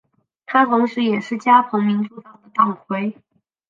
他同时也是加蓬民主党的党魁。